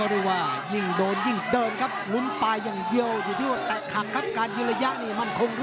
แทงขวากันไปก็ติ๊กตลอด